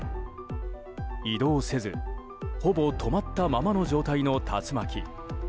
移動せずほぼ止まったままの状態の竜巻。